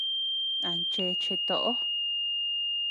Nan cheche toʼo.